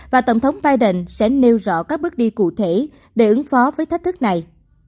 và tổng thống biden sẽ nêu rõ các bước đi cụ thể để ứng phó với thách thức này